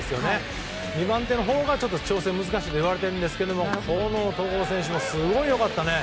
２番手のほうが調整は難しいといわれているんですが戸郷選手もすごい良かったね。